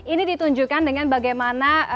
ini ditunjukkan dengan bagaimana